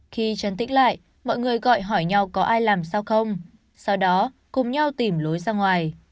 khi chấn tĩnh lại mọi người gọi hỏi nhau có ai làm sao không sau đó cùng nhau tìm lối ra ngoài